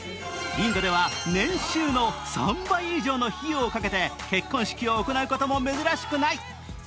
インドでは年収の３倍以上の費用をかけて結婚式を行うことも珍しくない。